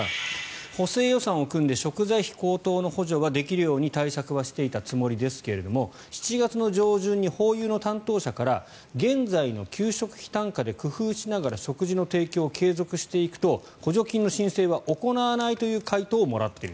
補正予算を組んで食材費高騰の補助はできるように対策はしていたつもりですが７月の上旬にホーユーの担当者から現在の給食費単価で工夫しながら食事の提供を継続していくと補助金の申請は行わないという回答をもらっている。